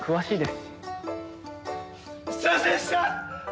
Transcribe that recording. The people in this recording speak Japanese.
すいませんでした！！